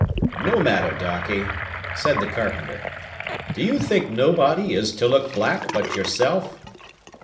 "No matter, darky," said the carpenter. "Do you think nobody is to look black but yourself?